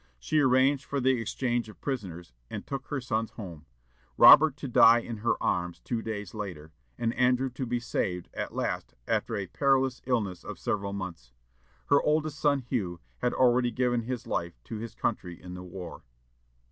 She arranged for the exchange of prisoners, and took her sons home; Robert to die in her arms two days later, and Andrew to be saved at last after a perilous illness of several months. Her oldest son, Hugh, had already given his life to his country in the war.